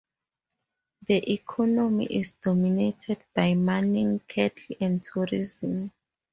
The economy is dominated by mining, cattle, and tourism.